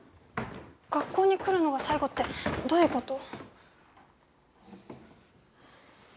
学校に来るのが最後ってどういうこと？